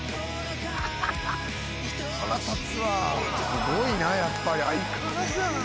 すごいなやっぱり相変わらずやな。